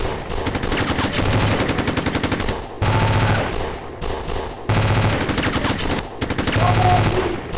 სამი გრენდ სლემის მფლობელი.